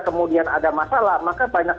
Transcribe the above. kemudian ada masalah maka banyak